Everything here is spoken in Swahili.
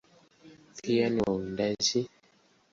Pia ni wawindaji.